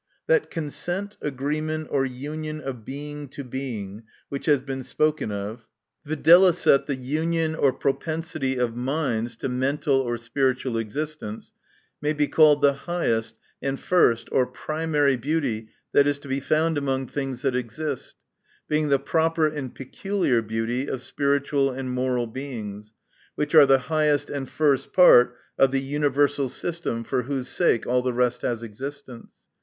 That consent, agreement, or union of Being to Being, which has been spoken of, viz., the union or propensity of minds to mental or spiritual existence, may be called the highest, and first, or primary beauty that is to be found among things that exist : being the proper and peculist: seauty of spiritual 272 THE NATURE OF VIRTUE and moral Beings, which are the highest and first part of the universal system, for whose sake all the rest has existence.